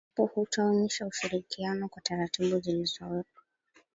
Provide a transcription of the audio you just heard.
endapo hutaonyesha ushirikiano kwa taratibu zilizowekwa